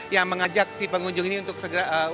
yang mengajak si pengunjung ini untuk segera